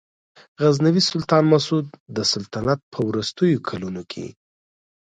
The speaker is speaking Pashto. غزنوي سلطان مسعود د سلطنت په وروستیو کلونو کې.